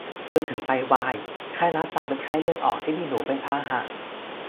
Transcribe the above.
จนถึงไตวาย ไข้ลาสซาเป็นไข้เลือดออกที่มีหนูเป็นพาหะ